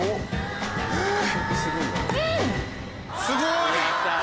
すごい！